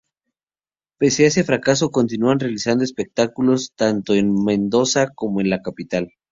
Pese a este fracaso continúan realizando espectáculos, tanto en Mendoza como en la Capital.